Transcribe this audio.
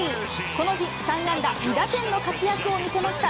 この日、３安打２打点の活躍を見せました。